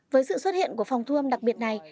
với sự xuất hiện của phòng thu âm đặc biệt này